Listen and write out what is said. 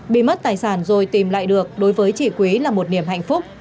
bị mất tài sản rồi tìm lại được đối với chị quý là một niềm hạnh phúc